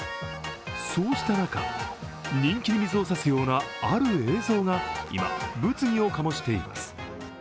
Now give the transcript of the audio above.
そうした中、人気に水を差すようなある映像が今、物議を醸しています。